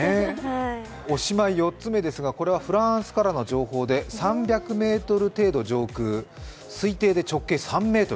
おしまい４つ目ですがこれはフランスからの情報で３００ｍ程度上空、推計で直径３ｍ。